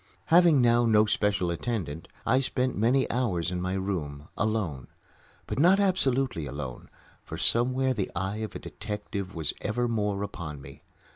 Having now no special attendant, I spent many hours in my room, alone, but not absolutely alone, for somewhere the eye of a detective was evermore upon me.